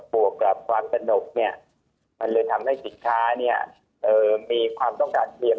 บวกกับความสนุกเนี่ยที่ก็เลยทำให้สินค้าเนี่ย